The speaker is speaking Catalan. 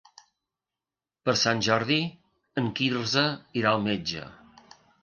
Per Sant Jordi en Quirze irà al metge.